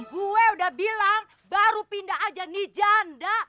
gue udah bilang baru pindah aja nih janda